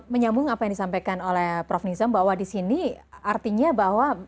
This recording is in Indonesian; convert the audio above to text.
menyambung apa yang disampaikan oleh prof nizam bahwa di sini artinya bahwa